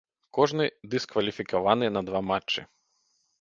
Кожны дыскваліфікаваны на два матчы.